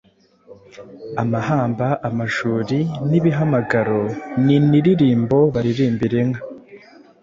Amahamba ,amajuri n’ibihamagaro, ni inririmbo baririmbira inka.